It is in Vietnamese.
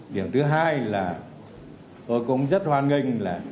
điểm thứ hai là tôi cũng rất hoan nghênh là